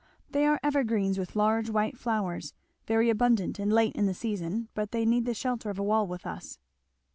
"They are evergreens with large white flowers very abundant and late in the season, but they need the shelter of a wall with us."